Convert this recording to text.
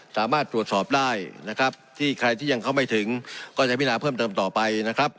สามารถตรวจสอบได้นะครับที่ใครที่ยังเข้าไม่ถึงก็จะพินาเพิ่มเติมต่อไปนะครับ